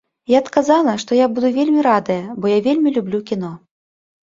Я адказала, што я буду вельмі радая, бо я вельмі люблю кіно.